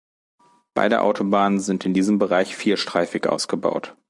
Beide Autobahnen sind in diesem Bereich vierstreifig ausgebaut.